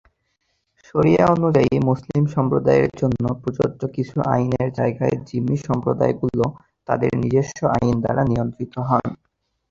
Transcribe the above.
শরিয়া অনুযায়ী মুসলিম সম্প্রদায়ের জন্য প্রযোজ্য কিছু আইনের জায়গায় জিম্মি সম্প্রদায়গুলি তাদের নিজস্ব আইন দ্বারা নিয়ন্ত্রিত হত।